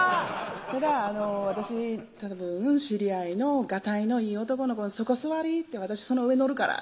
ただ私たぶん知り合いのガタイのいい男の子に「そこ座り私その上乗るから」